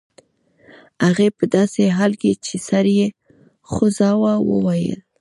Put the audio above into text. هغې په داسې حال کې چې سر یې خوځاوه وویل